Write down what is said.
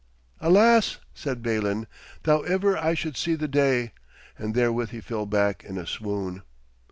'Alas!' said Balin, 'that ever I should see the day!' And therewith he fell back in a swoon.